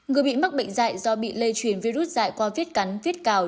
người bị mắc bệnh dạy do bị lây truyền virus dạy qua viết cắn viết cào